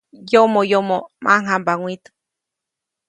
Yomoyomo ʼmaŋjamba mwit.